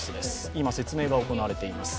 今、説明が行われています。